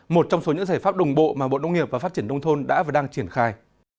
một trong số những giải pháp đồng bộ mà bộ nông nghiệp và phát triển nông thôn đã và đang triển khai